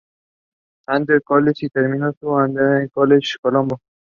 Two years later the play was published by Italian Publishers in New York.